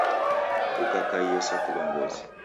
Ukakaiye sa kilongozi